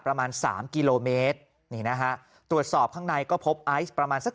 ประมาณสามกิโลเมตรนี่นะฮะตรวจสอบข้างในก็พบไอซ์ประมาณสัก